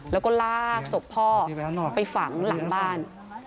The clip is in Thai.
แล้วก็ลากศพพ่อไปฝังหลังบ้าน